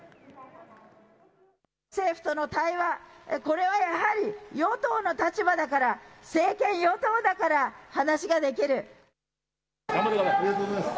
政府との対話、これはやはり与党の立場だから、政権与党だから話ができる。